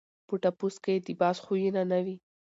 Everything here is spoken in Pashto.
په ټپوس کي د باز خویونه نه وي.